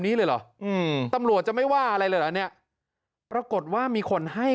นี้เลยเหรออืมตำรวจจะไม่ว่าอะไรเลยเหรอเนี่ยปรากฏว่ามีคนให้